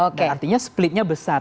oke artinya splitnya besar